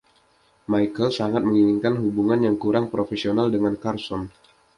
Michael sangat menginginkan hubungan yang kurang profesional dengan Carson.